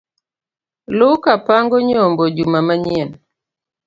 Luka pango nyombo juma ma nyien